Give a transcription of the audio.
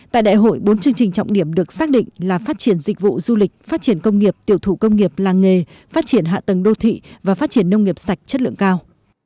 tại đại hội bốn chương trình trọng điểm được xác định là phát triển dịch vụ du lịch phát triển công nghiệp tiểu thủ công nghiệp làng nghề phát triển hạ tầng đô thị và phát triển nông nghiệp sạch chất lượng cao